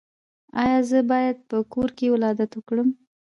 ایا زه باید په کور ولادت وکړم؟